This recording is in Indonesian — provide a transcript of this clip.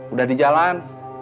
udah di jalan